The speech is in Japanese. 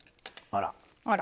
あら。